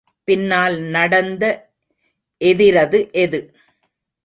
பின்னால் நடந்த எதிரது எது?